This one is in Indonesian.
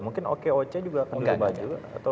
mungkin okoc juga akan diubah juga